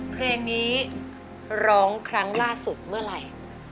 เพลงนี้ร้องครั้งล่าสุดเมื่อไหร่